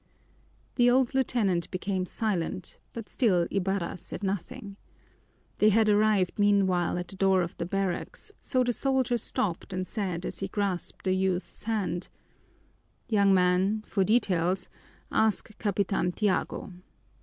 The old lieutenant became silent, but still Ibarra said nothing. They had arrived meanwhile at the door of the barracks, so the soldier stopped and said, as he grasped the youth's hand, "Young man, for details ask Capitan Tiago.